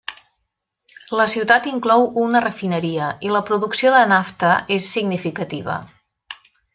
La ciutat inclou una refineria, i la producció de nafta és significativa.